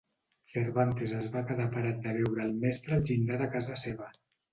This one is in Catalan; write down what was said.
Cervantes es va quedar parat de veure el mestre al llindar de casa seva.